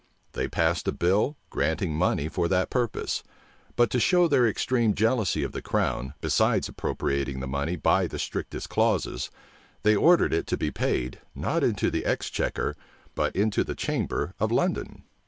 They passed a bill, granting money for that purpose; but to show their extreme jealousy of the crown, besides appropriating the money by the strictest clauses, they ordered it to be paid, not into the exchequer, but into the chamber of London.